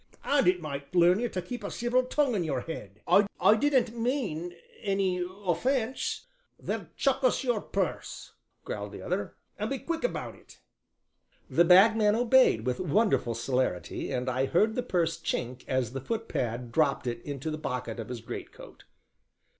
"And it might learn ye to keep a civil tongue in your head." "I I didn't mean any offence." "Then chuck us your purse," growled the other, "and be quick about it." The Bagman obeyed with wonderful celerity, and I heard the purse chink as the footpad dropped it into the pocket of his greatcoat.